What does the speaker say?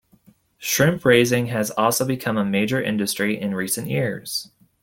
Shrimp raising has also become a major industry in recent years.